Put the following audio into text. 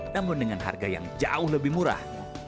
namun dengan harga yang jauh lebih murah